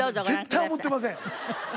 絶対思ってません！